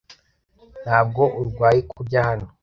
Ntabwo urwaye kurya hano?